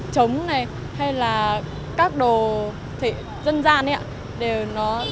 chống này hay là các đồ dân gian đấy ạ